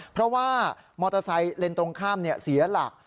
เพราะว่ามอเตอร์ไซค์เลนส์ตรงข้ามเสียหลัก